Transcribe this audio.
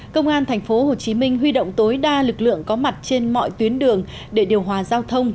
công an tp hcm huy động tối đa lực lượng có mặt trên mọi tuyến đường để điều hòa giao thông